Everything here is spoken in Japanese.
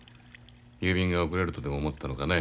郵便が遅れるとでも思ったのかね。